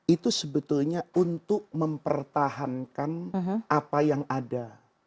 itu sebetulnya untuk mempertahankan apa yang ada